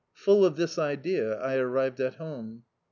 Full of this idea I arrived at home.